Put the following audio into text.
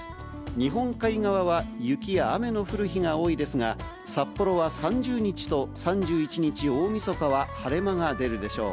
日本海側は雪や雨の降る日が多いですが、札幌は３０日と３１日大みそかは晴れ間が出るでしょう。